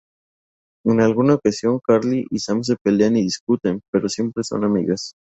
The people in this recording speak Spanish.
En alguna ocasión, Carly y Sam se pelean y discuten, pero siempre son amigas.